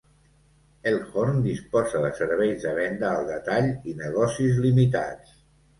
Elkhorn disposa de serveis de venda al detall i negocis limitats.